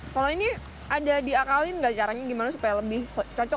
kalau ini ada diakalin nggak caranya gimana supaya lebih cocok